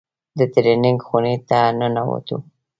د ټرېننگ خونې ته ننوتو.